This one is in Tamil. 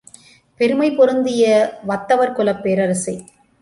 பெருமை பொருந்திய வத்தவர்குலப் பேரரசே!